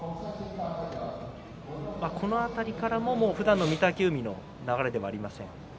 この辺りからも、ふだんの御嶽海の流れではありません。